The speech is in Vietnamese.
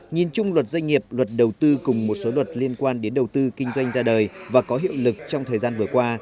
nhìn chung luật doanh nghiệp luật đầu tư cùng một số luật liên quan đến đầu tư kinh doanh ra đời và có hiệu lực trong thời gian vừa qua